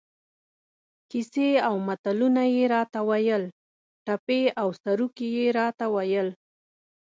کیسې او متلونه یې را ته ویل، ټپې او سروکي یې را ته ویل.